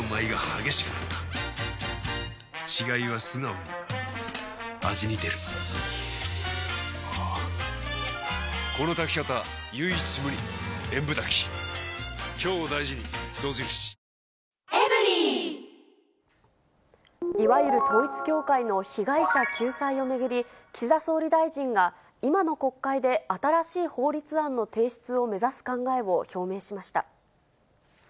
オールインワンいわゆる統一教会の被害者救済を巡り、岸田総理大臣が、今の国会で新しい法律案の提出を目指す考えを表明しました。